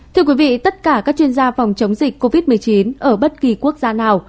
thưa quý vị tất cả các chuyên gia phòng chống dịch covid một mươi chín ở bất kỳ quốc gia nào